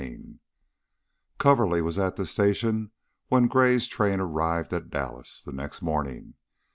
CHAPTER VII Coverly was at the station when Gray's train arrived at Dallas the next morning.